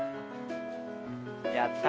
やった。